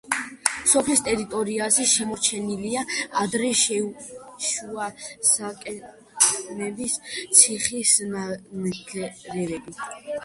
სოფლის ტერიტორიაზე შემორჩენილია ადრე შუასაუკუნეების ციხის ნანგრევები.